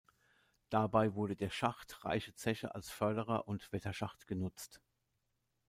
Dabei wurde der Schacht Reiche Zeche als Förder- und Wetterschacht genutzt.